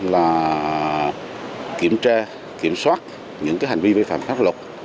là kiểm tra kiểm soát những cái hành vi vi phạm pháp